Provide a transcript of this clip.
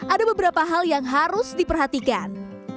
ada beberapa hal yang harus diperhatikan